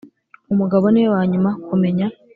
umugabo niwe wanyuma kumenya